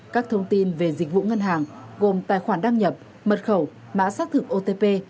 các thông tin về dịch vụ ngân hàng gồm tài khoản đăng nhập mật khẩu mã xác thực otp